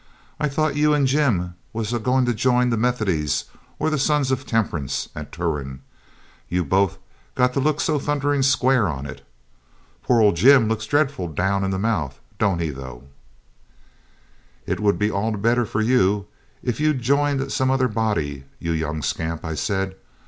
I thought you and Jim was a going to jine the Methodies or the Sons of Temperance at Turon, you both got to look so thunderin' square on it. Poor old Jim looks dreadful down in the mouth, don't he, though?' 'It would be all the better for you if you'd joined some other body, you young scamp,' I said.